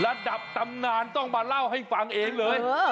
ระดับตำนานต้องมาเล่าให้ฟังเองเลย